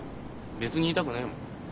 別に言いたくねえもん。